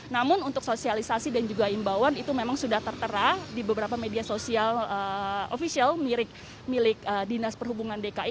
namun untuk sosialisasi dan juga imbauan itu memang sudah tertera di beberapa media sosial official milik dinas perhubungan dki